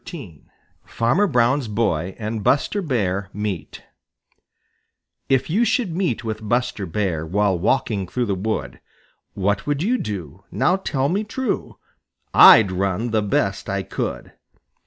XIII FARMER BROWN'S BOY AND BUSTER BEAR MEET If you should meet with Buster Bear While walking through the wood, What would you do? Now tell me true, I'd run the best I could.